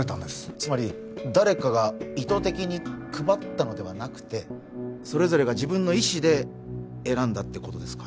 つまり誰かが意図的に配ったのではなくてそれぞれが自分の意思で選んだってことですか？